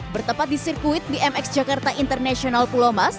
bertepat di sirkuit bmx jakarta international pulau mas